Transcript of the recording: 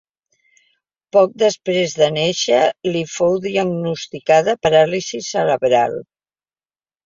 Poc després de néixer li fou diagnosticada paràlisi cerebral.